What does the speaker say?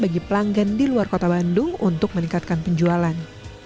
bagi pelanggan di luar kota bandung untuk meningkatkan penjualan